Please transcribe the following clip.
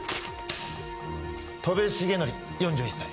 戸辺茂典４１歳。